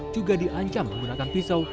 juga diancam menggunakan pisau